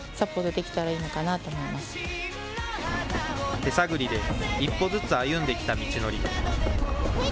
手探りで一歩ずつ歩んできた道のり。